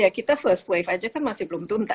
ya kita first wave aja kan masih belum tuntas